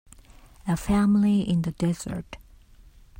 A family in the desert.